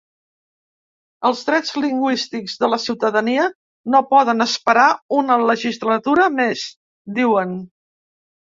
“Els drets lingüístics de la ciutadania no poden esperar una legislatura més”, diuen.